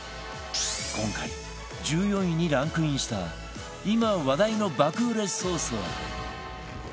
今回１４位にランクインした今話題の爆売れソースは